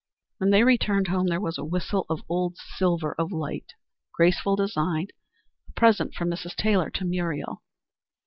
When they returned home there was a whistle of old silver of light, graceful design, a present from Mrs. Taylor to Muriel.